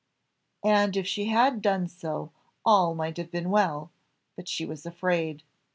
And if she had done so, all might have been well; but she was afraid.